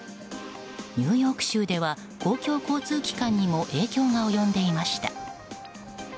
ニューヨーク州では公共交通機関にも影響が及んでいました。